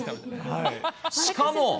しかも。